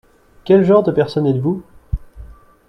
Quel genre de personne êtes-vous ?